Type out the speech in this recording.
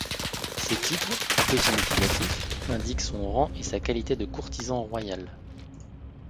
Ses titres, peu significatifs, indiquent son rang et sa qualité de courtisan royal.